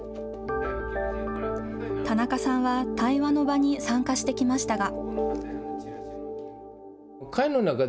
田中さんは対話の場に参加してきましたが。